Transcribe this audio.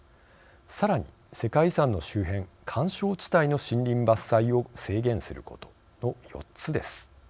さらに、世界遺産の周辺緩衝地帯の森林伐採を制限することの４つです。